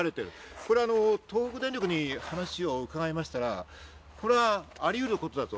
これは、東北電力に話を伺いましたら、これはありうることだと。